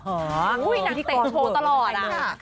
หนังเตะโชว์ตลอด